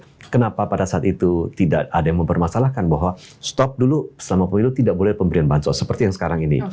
tapi kenapa pada saat itu tidak ada yang mempermasalahkan bahwa stop dulu selama pemilu tidak boleh pemberian bansos seperti yang sekarang ini